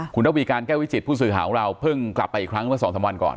คุณระวีการแก้ววิจิตผู้สื่อข่าวของเราเพิ่งกลับไปอีกครั้งเมื่อ๒๓วันก่อน